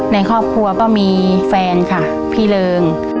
ในครอบครัวก็มีแฟนค่ะพี่เริง